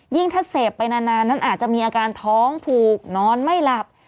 ถ้าเสพไปนานนั้นอาจจะมีอาการท้องผูกนอนไม่หลับ